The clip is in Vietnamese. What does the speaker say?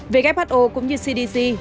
who cũng như cdc